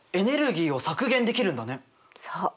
そう。